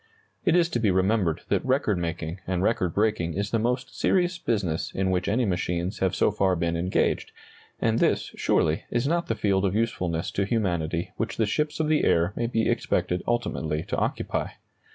It is to be remembered that record making and record breaking is the most serious business in which any machines have so far been engaged; and this, surely, is not the field of usefulness to humanity which the ships of the air may be expected ultimately to occupy.